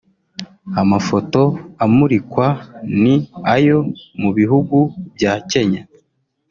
Amafoto amurikwa ni ayo mu bihugu bya Kenya